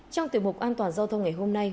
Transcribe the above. trong tiểu mục an toàn giao thông ngày hôm nay